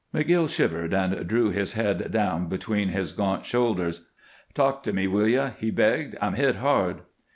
McGill shivered and drew his head down between his gaunt shoulders. "Talk to me, will you?" he begged. "I'm hit hard."